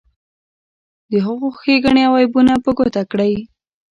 د هغو ښیګڼې او عیبونه په ګوته کړئ.